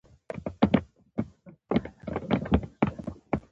د نادر افشار د ځانګړي نظامي سیاست په ترڅ کې ګډوډي پیل شوه.